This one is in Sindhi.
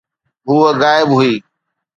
هوءَ غائب هئي.